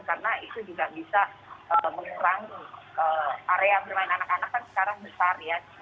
karena itu juga bisa menurang area permainan anak anak kan sekarang besar ya